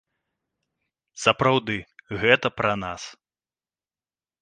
Сапраўды, гэта пра нас.